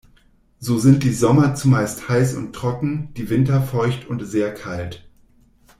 So sind die Sommer zumeist heiß und trocken, die Winter feucht und sehr kalt.